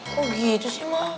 kok gitu sih mama